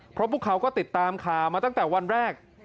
เพราะพวกเขาก็ติดตามข่าวมาตั้งแต่วันแรก